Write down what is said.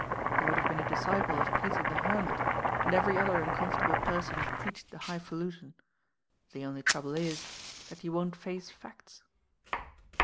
You would have been a disciple of Peter the Hermit, and every other uncomfortable person who preached the high falutin'. The only trouble is that you won't face facts."